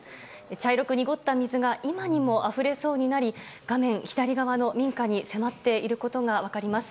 茶色く濁った水が今にもあふれそうになり画面左側の民家に迫っていることが分かります。